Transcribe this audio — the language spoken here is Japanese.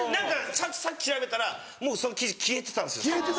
さっき調べたらもうその記事消えてたんですよ。